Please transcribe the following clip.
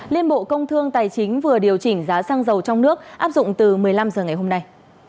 liên bộ công thương tài chính vừa điều chỉnh giá xăng dầu trong nước áp dụng từ một mươi năm h ngày hôm nay